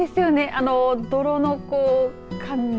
あの泥の感じ。